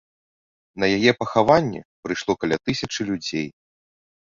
На яе пахаванне прыйшло каля тысячы людзей.